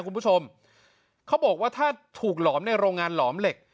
คุณผู้ชมเขาบอกว่าถ้าถูกหลอมในโรงงานหลอมเหล็ก